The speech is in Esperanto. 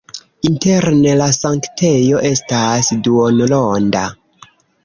Interne la sanktejo estas duonronda.